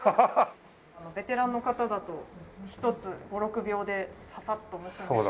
ベテランの方だと１つ５６秒でささっと結んでしまって。